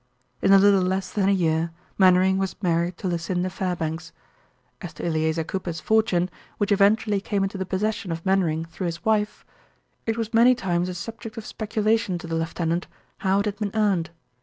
In a little less than a year Mainwaring was married to Lucinda Fairbanks. As to Eleazer Cooper's fortune, which eventually came into the possession of Mainwaring through his wife, it was many times a subject of speculation to the lieutenant how it had been earned.